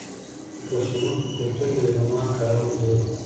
د پښتنو په کلتور کې د رومال کارول دود دی.